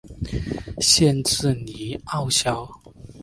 县治尼欧肖。